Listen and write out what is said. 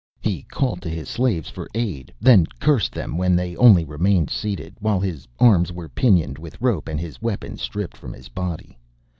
He called to his slaves for aid, then cursed them when they only remained seated, while his arms were pinioned with rope and his weapons stripped from his body.